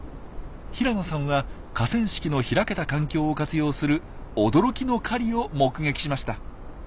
平野さんは河川敷の開けた環境を活用する驚きの狩りを目撃しました。